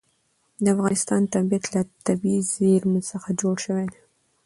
د افغانستان طبیعت له طبیعي زیرمې څخه جوړ شوی دی.